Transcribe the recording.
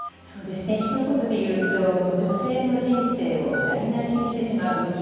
ひと言で言うと女性の人生を台なしにしてしまう病気